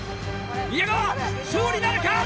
宮川勝利なるか？